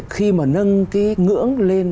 khi mà nâng cái ngưỡng lên